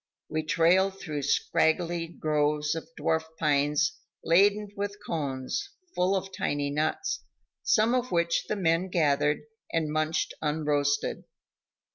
We trailed through straggly groves of dwarf pines laden with cones, full of tiny nuts, some of which the men gathered and munched unroasted.